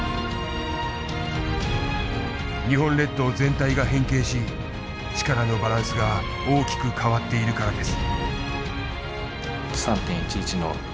日本列島全体が変形し力のバランスが大きく変わっているからです。